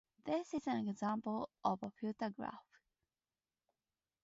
This is an example of a filter graph.